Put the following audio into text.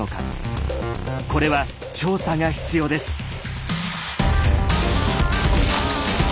これは調査が必要です。